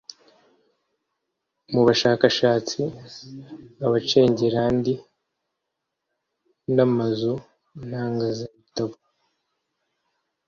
mu bashakashatsi (abacengerandi) n'amazu ntangazabitabo